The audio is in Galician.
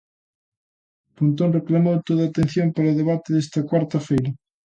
Pontón reclamou toda a atención para o debate desta cuarta feira.